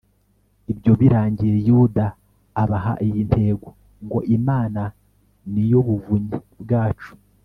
ibyo birangiye, yuda abaha iyi ntego ngo imana ni yo buvunyi bwacu